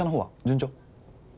順調？